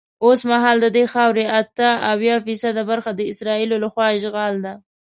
اوسمهال ددې خاورې اته اویا فیصده برخه د اسرائیلو له خوا اشغال ده.